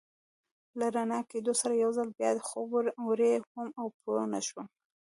له رڼا کېدو سره یو ځل بیا خوب وړی وم او پوه نه شوم.